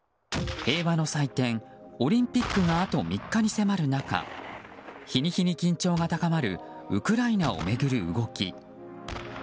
平和の祭典オリンピックがあと３日に迫る中日に日に緊張が高まるウクライナを巡る動き。